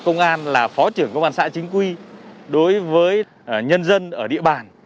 công an là phó trưởng công an xã chính quy đối với nhân dân ở địa bàn